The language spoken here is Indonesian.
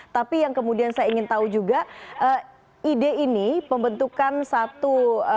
tapi yang kemudian saya ingin tahu juga ide ini pembentukan satu